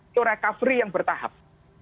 itu recovery yang bertahap